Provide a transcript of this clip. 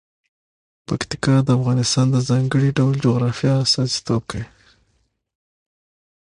پکتیکا د افغانستان د ځانګړي ډول جغرافیه استازیتوب کوي.